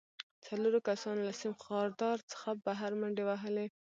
څلورو کسانو له سیم خاردار څخه بهر منډې وهلې